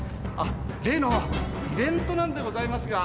例のイベントなんでございますが。